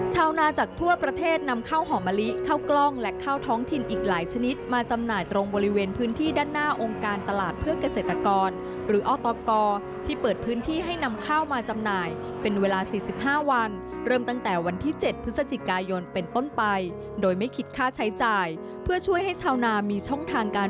ชาวนาจากทั่วประเทศนำข้าวหอมะลิข้าวกล้องและข้าวท้องถิ่นอีกหลายชนิดมาจำหน่ายตรงบริเวณพื้นที่ด้านหน้าองค์การตลาดเพื่อเกษตรกรหรืออตกที่เปิดพื้นที่ให้นำข้าวมาจำหน่ายเป็นเวลา๔๕วันเริ่มตั้งแต่วันที่๗พฤศจิกายนเป็นต้นไปโดยไม่คิดค่าใช้จ่ายเพื่อช่วยให้ชาวนามีช่องทางการ